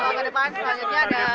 oh ke depan selanjutnya ada